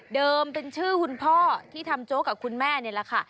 เป็นชื่อคุณพ่อที่ทำโจ๊กกับคุณแม่นี่แหละค่ะ